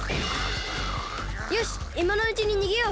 よしいまのうちににげよう！